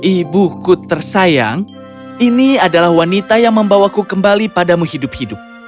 ibuku tersayang ini adalah wanita yang membawaku kembali padamu hidup hidup